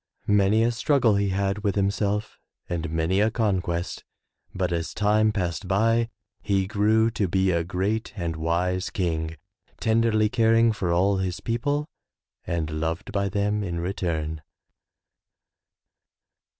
Many a struggle he had with himself and many a conquest, but as time passed by he grew to be a great and wise king, tenderly caring for all his people and loved by them in return.